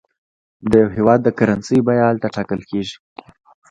د یو هېواد د کرنسۍ بیه هلته ټاکل کېږي.